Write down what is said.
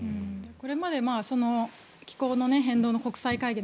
これまで気候の変動の国際会議